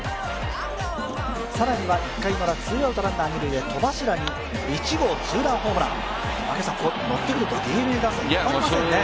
更には１回ウラツーアウト二塁で戸柱に１号ツーランホームラン、のってくるとＤｅＮＡ打線、止まりませんね。